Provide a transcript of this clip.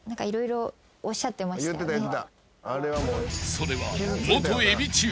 ［それは］